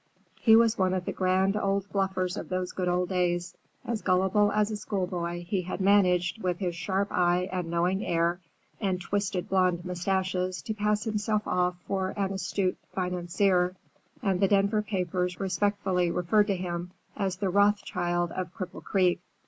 He was one of the grand old bluffers of those good old days. As gullible as a schoolboy, he had managed, with his sharp eye and knowing air and twisted blond mustaches, to pass himself off for an astute financier, and the Denver papers respectfully referred to him as the Rothschild of Cripple Creek.